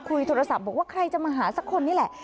คุยโทรศัพท์บอกว่าใครจะมาหาสักคนนี่แหละ